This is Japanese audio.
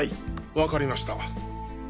わかりました。